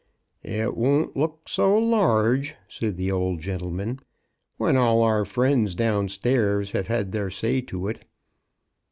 " It won't look so large," said the old gentle man, "when all our friends down stairs have had their say to it."